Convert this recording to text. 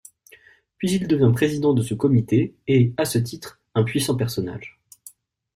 Puis il devient président de ce Comité et à ce titre, un puissant personnage.